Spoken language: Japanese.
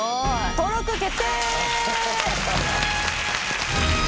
登録決定！